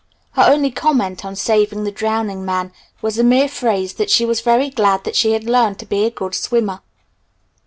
Her only comment on saving the drowning man was the mere phrase that she was very glad that she had learned to be a good swimmer.